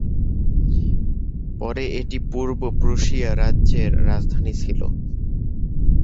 পরে এটি পূর্ব প্রুশিয়া রাজ্যের রাজধানী ছিল।